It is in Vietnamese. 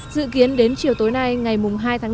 dự kiến đến chiều tối nay ngày hai tháng năm